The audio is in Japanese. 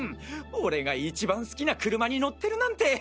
俺が一番好きな車に乗ってるなんて！